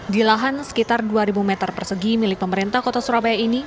di lahan sekitar dua ribu meter persegi milik pemerintah kota surabaya ini